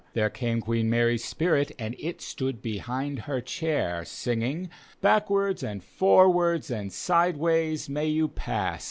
There came Queen Mary's spirit and It stood behind her chair, Singing, " Backward^ and forwards and sideways may you pass.